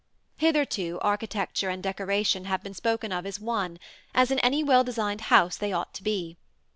Hitherto architecture and decoration have been spoken of as one, as in any well designed house they ought to be.